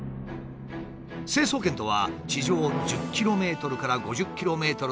「成層圏」とは地上１０ｋｍから５０ｋｍの大気の層。